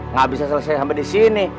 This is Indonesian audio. nggak bisa selesai sampai di sini